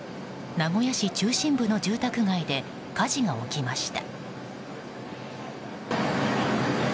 名古屋市中心部の住宅街で火事が起きました。